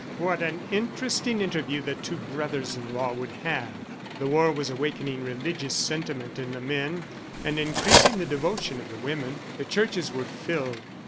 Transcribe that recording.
What an interesting interview the two brothers in law would have! ... The war was awakening religious sentiment in the men and increasing the devotion of the women. The churches were filled.